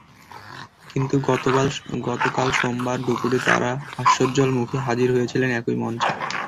কিন্তু গতকাল সোমবার দুপুরে তাঁরা হাস্যোজ্জ্বল মুখে হাজির হয়েছিলেন একই মঞ্চে।